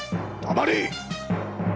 黙れ！